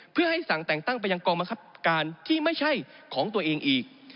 เพื่อให้สั่งแต่งตั้งไปยังกองบังคับการที่ไม่ใช่ของตัวเองอีก